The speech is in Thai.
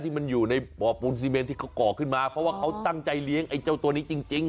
มันอยู่ในบ่อปูนซีเมนที่เขาก่อขึ้นมาเพราะว่าเขาตั้งใจเลี้ยงไอ้เจ้าตัวนี้จริง